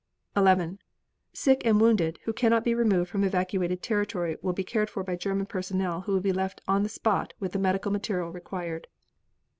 11. Sick and wounded, who cannot be removed from evacuated territory will be cared for by German personnel who will be left on the spot with the medical material required.